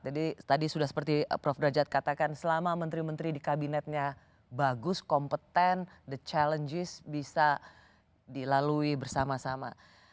jadi tadi sudah seperti prof drajat katakan selama menteri menteri di kabinetnya bagus kompeten the challenges bisa dilalui bersama sama